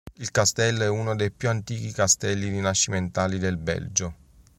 Il castello è uno dei più antichi castelli rinascimentali del Belgio.